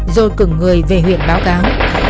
rồi cử người về huyện báo cáo